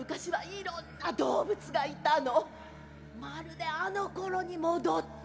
まるであのころに戻ったみたいね。